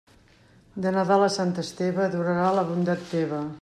De Nadal a Sant Esteve durarà la bondat teva.